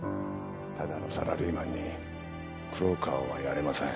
ただのサラリーマンに黒川はやれません。